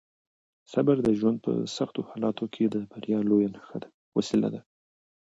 صبر د ژوند په سختو حالاتو کې د بریا لویه وسیله ده.